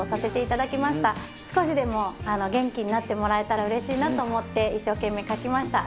少しでも元気になってもらえたらうれしいなと思って一生懸命書きました。